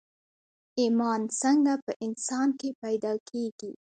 ايمان څنګه په انسان کې پيدا کېږي